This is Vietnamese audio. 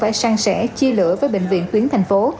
trang sẻ chi lửa với bệnh viện tuyến thành phố